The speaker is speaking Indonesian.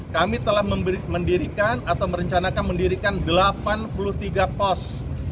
kami telah mendirikan atau merencanakan mendirikan delapan puluh tiga pos